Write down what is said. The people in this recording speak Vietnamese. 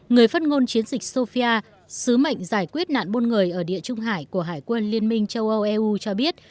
người phát ngôn chiến dịch sofia sứ mệnh giải quyết nạn buôn người ở địa trung hải của hải quân liên minh châu âu eu cho biết